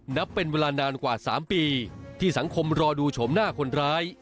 นับเป็นเวลานานกว่า๓ปีที่สังคมรอดูโฉมหน้าคนร้าย